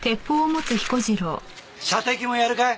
射的もやるかい？